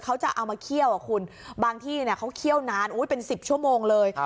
เขาจะเอามาเคี่ยวอ่ะคุณบางที่เขาเคี่ยวนานเป็น๑๐ชั่วโมงเลย